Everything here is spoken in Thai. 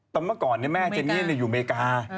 ตั้งต้นเมื่อก่อนแม่เจนี่อยู่เมกา